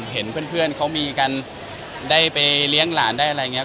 เห็นเพื่อนเขามีกันได้ไปเลี้ยงหลานได้อะไรอย่างนี้